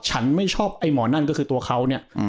ฉันไม่ชอบไอ้หมอนั่นก็คือตัวเขาเนี่ย